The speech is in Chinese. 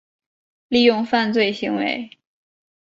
利用犯罪行为